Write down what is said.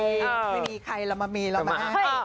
ไม่มีใครเรามามีเรามาให้